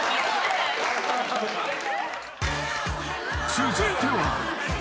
［続いては］